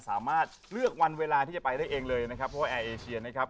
สามารถเลือกวันเวลาที่จะไปได้เองเลยนะครับเพราะว่าแอร์เอเชียนะครับ